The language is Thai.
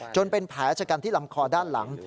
เป็นแผลชะกันที่ลำคอด้านหลัง